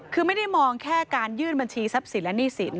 คือไม่ได้มองแค่การยื่นบัญชีทรัพย์สินและหนี้สิน